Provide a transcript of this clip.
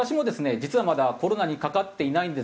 実はまだコロナにかかっていないんですね。